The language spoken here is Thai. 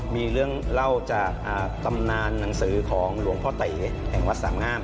มีเรื่องเล่าจากตำนานหนังสือของหลวงพ่อเต๋แห่งวัดสามงาม